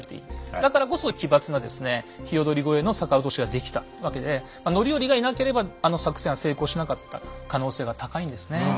だからこそ奇抜な鵯越の逆落としができたわけで範頼がいなければあの作戦は成功しなかった可能性が高いんですね。